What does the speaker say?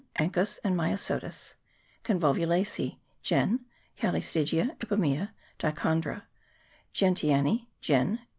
Anchusa and Myosotis), Convolvulacece (gen. Calystigia, Ipomea, Dychondra), Gen tianece (gen.